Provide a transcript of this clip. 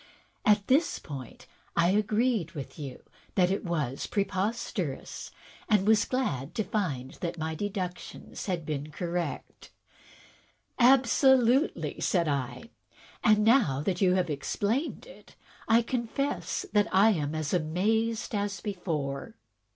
At this point I agreed with you that it was preposter ous, and was glad to find that all my deductions had been correct." "Absolutely!" said I. "And now that you have explained it, I confess that I am as amazed as before."